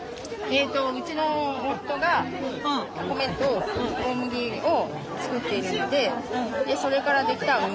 えとうちの夫が米と大麦を作っているのでそれから出来た麦茶。